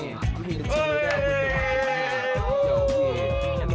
iku di campan